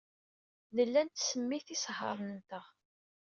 Nella nettsemmit isihaṛen-nteɣ.